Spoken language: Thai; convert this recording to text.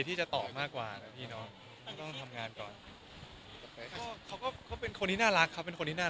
เพื่อยังต้องทำงานก่อน